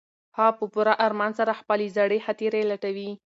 هغه په پوره ارمان سره خپلې زړې خاطرې لټوي.